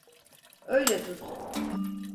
Öyle tut.